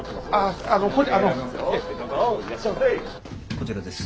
こちらです。